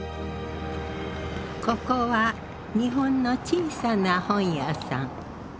ここは日本の小さな本屋さん。